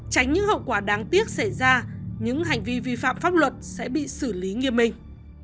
tránh những hậu quả đáng tiếc xảy ra những hành vi vi phạm pháp luật sẽ bị xử lý nghiêm minh